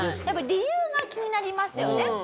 やっぱ理由が気になりますよね。